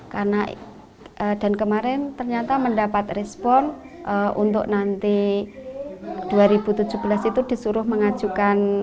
karena dan kemarin ternyata mendapat respon untuk nanti dua ribu tujuh belas itu disuruh mengajukan